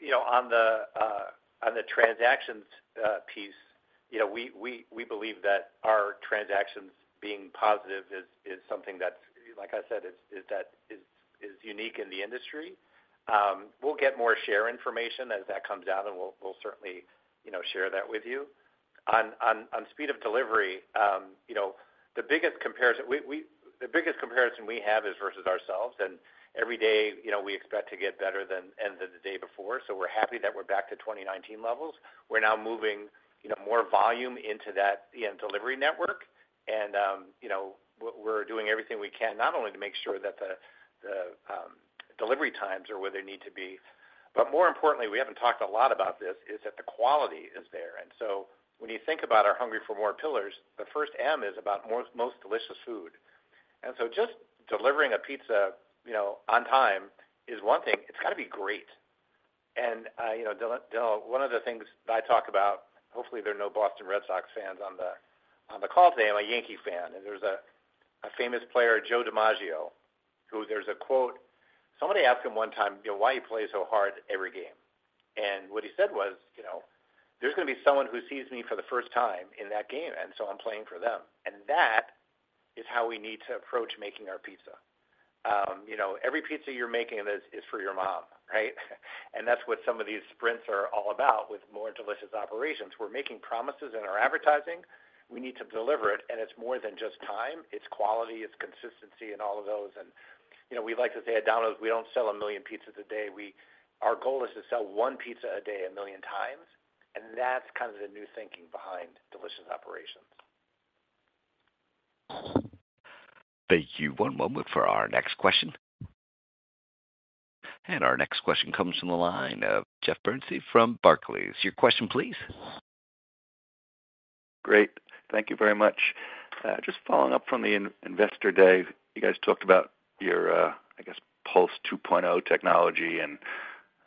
You know, on the transactions piece, you know, we believe that our transactions being positive is something that's, like I said, is unique in the industry. We'll get more share information as that comes out, and we'll certainly, you know, share that with you. On speed of delivery, you know, the biggest comparison we have is versus ourselves, and every day, you know, we expect to get better than the day before. So we're happy that we're back to 2019 levels. We're now moving, you know, more volume into that, you know, delivery network. And, we're doing everything we can, not only to make sure that the delivery times are where they need to be, but more importantly, we haven't talked a lot about this, is that the quality is there. And so when you think about our Hungry for More pillars, the first M is about most delicious food. And so just delivering a pizza, you know, on time is one thing, it's gotta be great. And, you know, Danilo, one of the things I talk about, hopefully, there are no Boston Red Sox fans on the call today. I'm a Yankee fan, and there's a famous player, Joe DiMaggio, who there's a quote. Somebody asked him one time, you know, why he plays so hard every game. What he said was, "You know, there's gonna be someone who sees me for the first time in that game, and so I'm playing for them." And that is how we need to approach making our pizza. You know, every pizza you're making is for your mom, right? And that's what some of these sprints are all about with more delicious operations. We're making promises in our advertising. We need to deliver it, and it's more than just time, it's quality, it's consistency, and all of those. And, you know, we like to say at Domino's, we don't sell 1 million pizzas a day. We, our goal is to sell one pizza a day, 1 million times, and that's kind of the new thinking behind delicious operations. Thank you. One moment for our next question. Our next question comes from the line of Jeff Bernstein from Barclays. Your question, please. Great. Thank you very much. Just following up from the Investor Day, you guys talked about your, I guess, Pulse 2.0 technology, and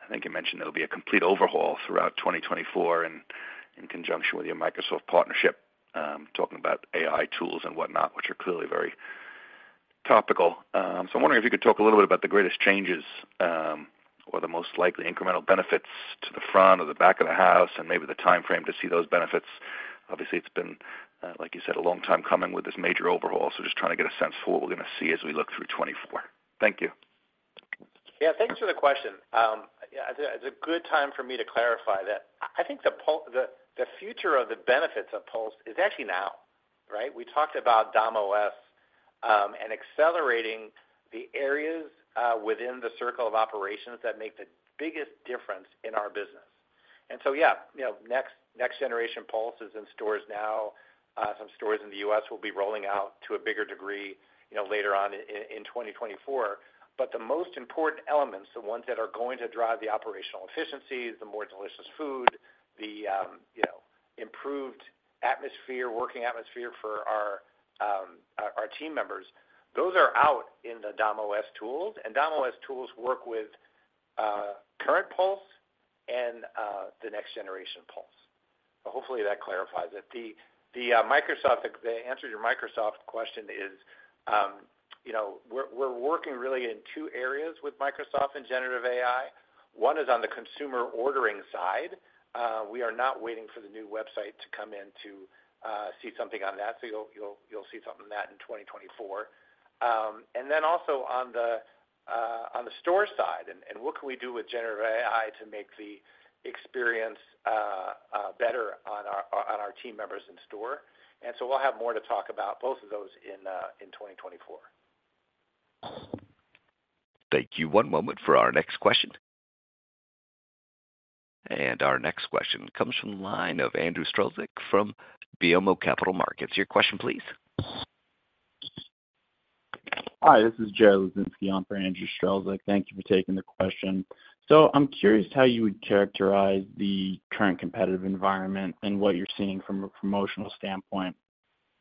I think you mentioned there'll be a complete overhaul throughout 2024, and in conjunction with your Microsoft partnership, talking about AI tools and whatnot, which are clearly very topical. So I'm wondering if you could talk a little bit about the greatest changes, or the most likely incremental benefits to the front or the back of the house and maybe the timeframe to see those benefits. Obviously, it's been, like you said, a long time coming with this major overhaul, so just trying to get a sense for what we're gonna see as we look through 2024. Thank you. Yeah, thanks for the question. Yeah, it's a good time for me to clarify that. I think the future of the benefits of Pulse is actually now, right? We talked about DomOS and accelerating the areas within the circle of operations that make the biggest difference in our business. And so, yeah, you know, next generation Pulse is in stores now. Some stores in the U.S. will be rolling out to a bigger degree, you know, later on in 2024. But the most important elements, the ones that are going to drive the operational efficiencies, the more delicious food, the, you know, improved atmosphere, working atmosphere for our team members, those are out in the DomOS tools, and DomOS tools work with current Pulse and the next generation Pulse. So hopefully that clarifies it. The answer to your Microsoft question is, you know, we're working really in two areas with Microsoft and generative AI. One is on the consumer ordering side. We are not waiting for the new website to come in to see something on that. So you'll see something on that in 2024. And then also on the store side, and what can we do with generative AI to make the experience better on our team members in store? And so we'll have more to talk about both of those in 2024. Thank you. One moment for our next question. Our next question comes from the line of Andrew Strelzik from BMO Capital Markets. Your question, please. Hi, this is Jared on for Andrew Strelzik. Thank you for taking the question. So I'm curious how you would characterize the current competitive environment and what you're seeing from a promotional standpoint,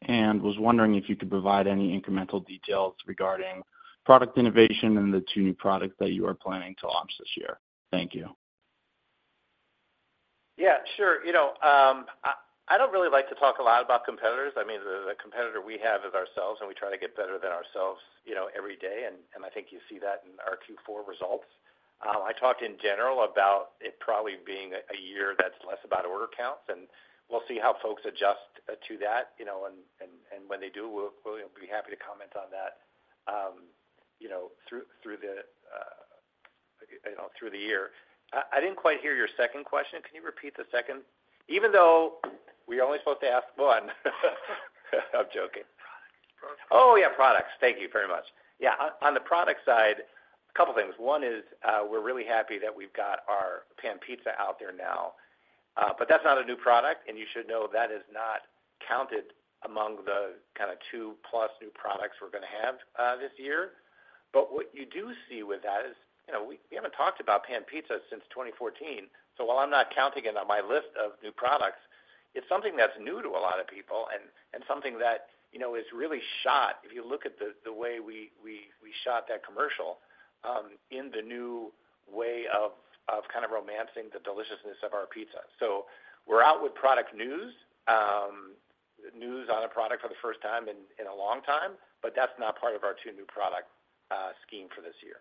and was wondering if you could provide any incremental details regarding product innovation and the two new products that you are planning to launch this year? Thank you. Yeah, sure. You know, I don't really like to talk a lot about competitors. I mean, the competitor we have is ourselves, and we try to get better than ourselves, you know, every day, and I think you see that in our Q4 results. I talked in general about it probably being a year that's less about order counts, and we'll see how folks adjust to that, you know, and when they do, we'll be happy to comment on that, you know, through the year. I didn't quite hear your second question. Can you repeat the second? Even though we are only supposed to ask one. I'm joking. Products. Oh, yeah, products. Thank you very much. Yeah, on the product side, a couple things. One is, we're really happy that we've got our Pan Pizza out there now, but that's not a new product, and you should know that is not counted among the kind of 2+ new products we're gonna have, this year. But what you do see with that is, you know, we haven't talked about Pan Pizza since 2014. So while I'm not counting it on my list of new products, it's something that's new to a lot of people and something that, you know, is really shot, if you look at the way we shot that commercial, in the new way of kind of romancing the deliciousness of our pizza. So we're out with product news, news on a product for the first time in a long time, but that's not part of our two new product scheme for this year.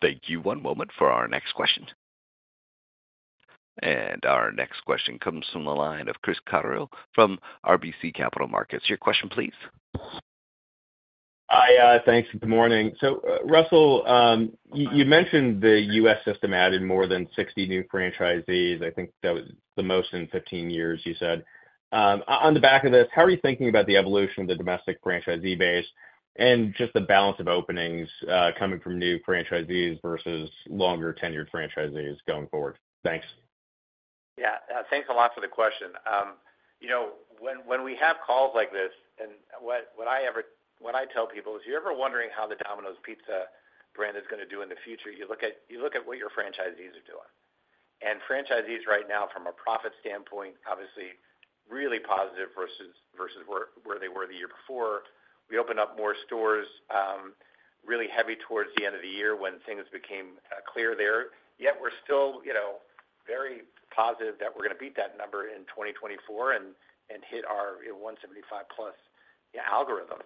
Thank you. One moment for our next question. Our next question comes from the line of Chris Carril from RBC Capital Markets. Your question, please. Hi, thanks, good morning. So, Russell, you mentioned the U.S. system added more than 60 new franchisees. I think that was the most in 15 years, you said. On the back of this, how are you thinking about the evolution of the domestic franchisee base and just the balance of openings coming from new franchisees versus longer-tenured franchisees going forward? Thanks. Yeah, thanks a lot for the question. You know, when we have calls like this, and what I tell people is, if you're ever wondering how the Domino's Pizza brand is gonna do in the future, you look at what your franchisees are doing. And franchisees right now, from a profit standpoint, obviously really positive versus where they were the year before. We opened up more stores, really heavy towards the end of the year when things became clear there. Yet we're still, you know, very positive that we're gonna beat that number in 2024 and hit our 175-plus algorithm.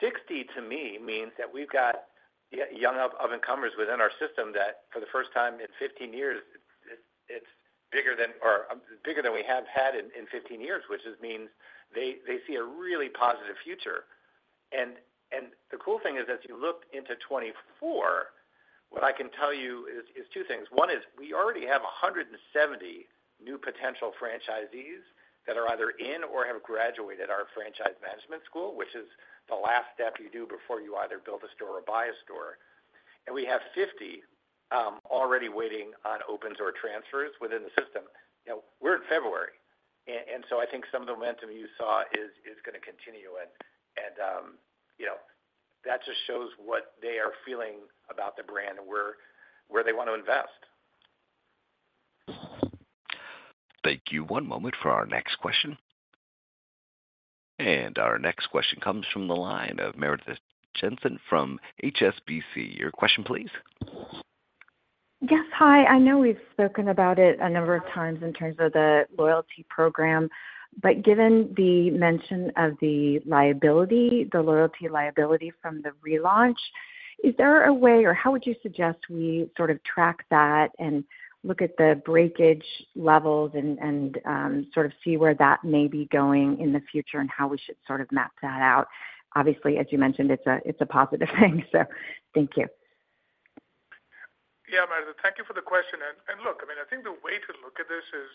60 to me means that we've got younger incomers within our system, that for the first time in 15 years, it's bigger than, or bigger than we have had in 15 years, which just means they see a really positive future. And the cool thing is, as you look into 2024, what I can tell you is two things. One is we already have 170 new potential franchisees that are either in or have graduated our franchise management school, which is the last step you do before you either build a store or buy a store. And we have 50 already waiting on opens or transfers within the system. You know, we're in February, and so I think some of the momentum you saw is gonna continue, and you know, that just shows what they are feeling about the brand and where they want to invest. Thank you. One moment for our next question. Our next question comes from the line of Meredith Jensen from HSBC. Your question, please. Yes. Hi, I know we've spoken about it a number of times in terms of the loyalty program, but given the mention of the liability, the loyalty liability from the relaunch, is there a way, or how would you suggest we sort of track that and look at the breakage levels and sort of see where that may be going in the future and how we should sort of map that out? Obviously, as you mentioned, it's a positive thing, so thank you. Yeah, Meredith, thank you for the question. And look, I mean, I think the way to look at this is,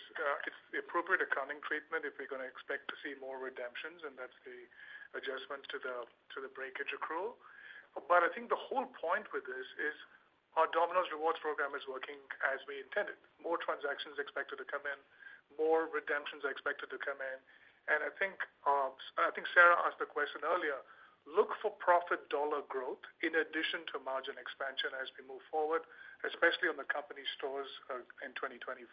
it's the appropriate accounting treatment if we're gonna expect to see more redemptions, and that's the adjustment to the breakage accrual. But I think the whole point with this is our Domino's Rewards program is working as we intended. More transactions are expected to come in, more redemptions are expected to come in. And I think Sarah asked the question earlier: Look for profit dollar growth in addition to margin expansion as we move forward, especially on the company stores, in 2024,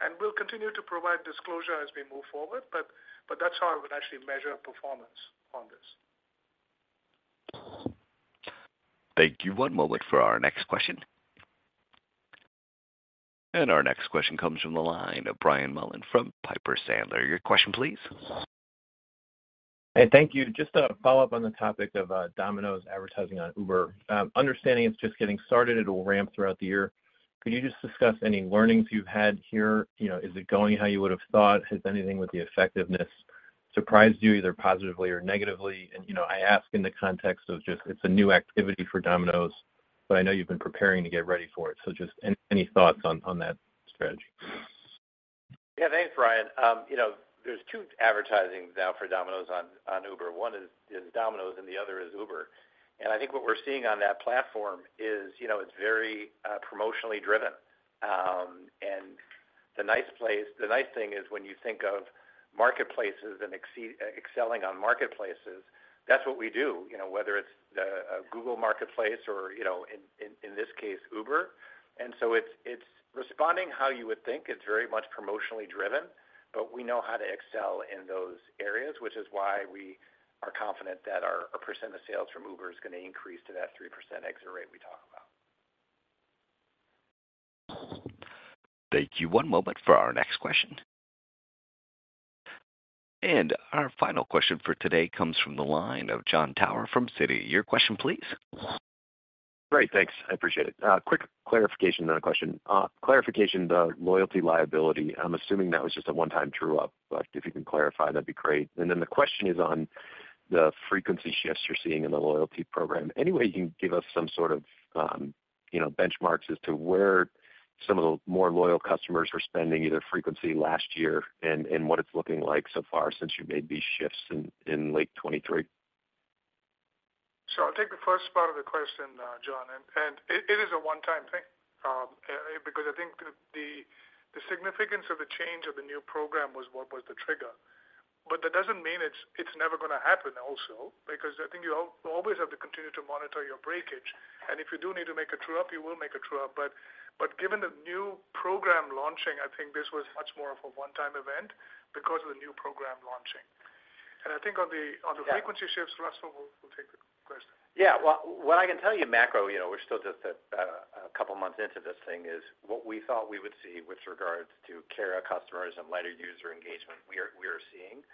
and we'll continue to provide disclosure as we move forward, but that's how I would actually measure performance on this. Thank you. One moment for our next question. Our next question comes from the line of Brian Mullan from Piper Sandler. Your question please. Hey, thank you. Just to follow up on the topic of Domino's advertising on Uber. Understanding it's just getting started, it'll ramp throughout the year. Could you just discuss any learnings you've had here? You know, is it going how you would have thought? Has anything with the effectiveness surprised you, either positively or negatively? And, you know, I ask in the context of just it's a new activity for Domino's, but I know you've been preparing to get ready for it. So just any thoughts on that strategy? Yeah. Thanks, Brian. You know, there's two advertisings now for Domino's on, on Uber. One is Domino's, and the other is Uber. And I think what we're seeing on that platform is, you know, it's very promotionally driven. And the nice thing is when you think of marketplaces and excelling on marketplaces, that's what we do, you know, whether it's the, a Google marketplace or, you know, in, in, in this case, Uber. And so it's, it's responding how you would think. It's very much promotionally driven, but we know how to excel in those areas, which is why we are confident that our percent of sales from Uber is gonna increase to that 3% exit rate we talked about. Thank you. One moment for our next question. Our final question for today comes from the line of Jon Tower from Citi. Your question, please. Great, thanks. I appreciate it. Quick clarification, then a question. Clarification, the loyalty liability, I'm assuming that was just a one-time true up, but if you can clarify, that'd be great. And then the question is on the frequency shifts you're seeing in the loyalty program. Any way you can give us some sort of, you know, benchmarks as to where some of the more loyal customers were spending, either frequency last year and, and what it's looking like so far since you made these shifts in, in late 2023? So I'll take the first part of the question, Jon, and it is a one-time thing, because I think the significance of the change of the new program was what was the trigger. But that doesn't mean it's never gonna happen also, because I think you always have to continue to monitor your breakage, and if you do need to make a true up, you will make a true up. But given the new program launching, I think this was much more of a one-time event because of the new program launching. And I think on the- Yeah. On the frequency shifts, Russell will take the question. Yeah. Well, what I can tell you, macro, you know, we're still just at a couple months into this thing, is what we thought we would see with regards to carryout customers and lighter user engagement, we are seeing.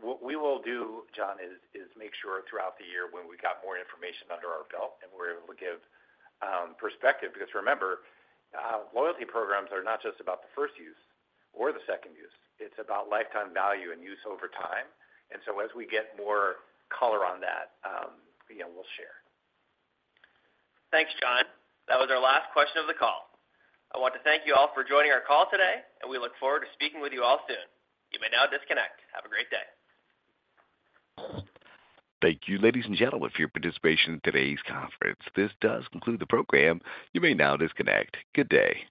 What we will do, John, is make sure throughout the year, when we got more information under our belt and we're able to give perspective. Because remember, loyalty programs are not just about the first use or the second use, it's about lifetime value and use over time. And so as we get more color on that, you know, we'll share. Thanks, Jon. That was our last question of the call. I want to thank you all for joining our call today, and we look forward to speaking with you all soon. You may now disconnect. Have a great day. Thank you, ladies and gentlemen, for your participation in today's conference. This does conclude the program. You may now disconnect. Good day.